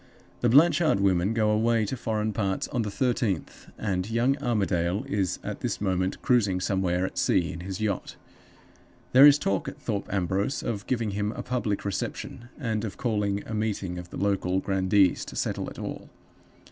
The Blanchard women go away to foreign parts on the thirteenth, and young Armadale is at this moment cruising somewhere at sea in his yacht. There is talk at Thorpe Ambrose of giving him a public reception, and of calling a meeting of the local grandees to settle it all.